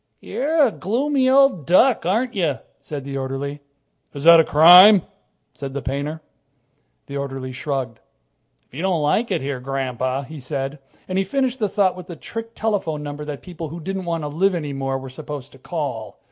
"You're a gloomy old duck, aren't you?" said the orderly. "Is that a crime?" said the painter. The orderly shrugged. "If you don't like it here, Grandpa " he said, and he finished the thought with the trick telephone number that people who didn't want to live any more were supposed to call.